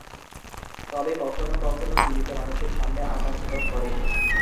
তবে কখনো কখনো জীবিত মানুষের সামনে আকার ধারণ করে।